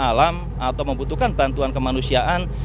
alam atau membutuhkan bantuan kemanusiaan